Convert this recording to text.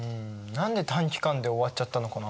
何で短期間で終わっちゃったのかな？